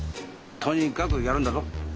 とにかくやるんだぞ！